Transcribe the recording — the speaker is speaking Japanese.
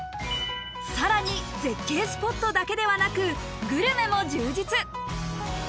さらに絶景スポットだけではなくグルメも充実